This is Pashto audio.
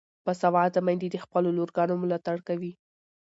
باسواده میندې د خپلو لورګانو ملاتړ کوي.